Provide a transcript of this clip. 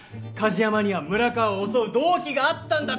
梶山には村川を襲う動機があったんだ！